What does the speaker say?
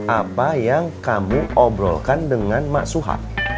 apa yang kamu obrolkan dengan maksuhar